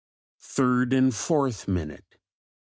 Third and fourth minute.